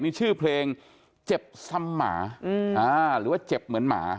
นี่ชื่อเพลงเจ็บซ้ำหมาหรือว่าเจ็บเหมือนหมา